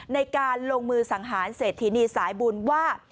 ในการลงมือสังหารเศรษฐินีสายบุญว่า